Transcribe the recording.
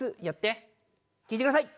きいてください。